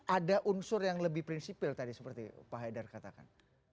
ada unsur yang lebih prinsipil tadi seperti pak haidar katakan